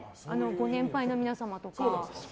ご年配の皆様とか。